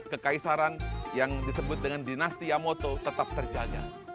kekaisaran yang disebut dengan dinasti amoto tetap terjaga